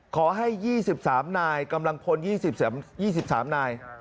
ขอให้๒๓นายกำลังพล๒๓นาย